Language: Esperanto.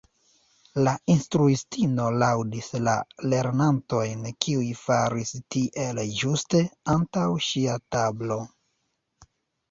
La instruistino laŭdis la lernantojn kiuj faris tiel ĝuste antaŭ ŝia tablo.